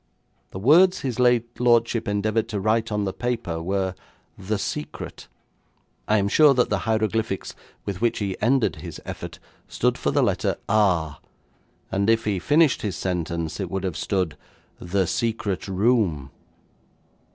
The words his late lordship endeavoured to write on the paper were "The Secret". I am sure that the hieroglyphics with which he ended his effort stood for the letter "R", and if he finished his sentence, it would have stood: "The secret room".